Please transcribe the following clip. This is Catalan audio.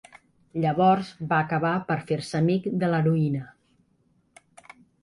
Llavors va acabar per fer-se amic de l'heroïna